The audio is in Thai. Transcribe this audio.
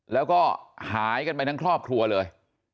แล้วก็หายกันไปทั้งครอบครัวเลย